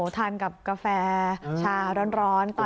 ทานกับกาแฟชาร้อนตอนเฉา